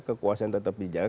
kekuasaan tetap dijaga